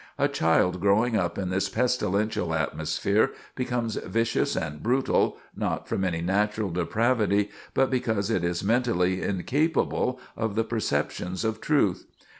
A child growing up in this pestilential atmosphere becomes vicious and brutal, not from any natural depravity, but because it is mentally incapable of the perceptions of truth.